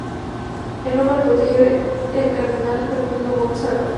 En Roma lo protegió el cardenal Fernando Gonzaga.